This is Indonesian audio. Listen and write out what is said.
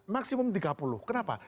maksimum tiga puluh kenapa